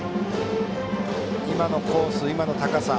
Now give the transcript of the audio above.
今のコース、今の高さ。